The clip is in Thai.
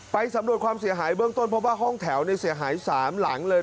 สำรวจความเสียหายเบื้องต้นเพราะว่าห้องแถวเสียหาย๓หลังเลย